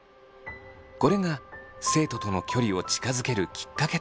これが生徒との距離を近づけるきっかけとなり。